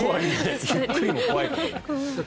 ゆっくりも怖いかもね。